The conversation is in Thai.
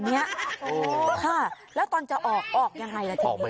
นี่คือหัวโผล่ออกมาคุณผู้ชม